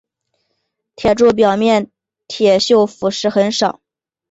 铁柱表面铁锈腐蚀很少。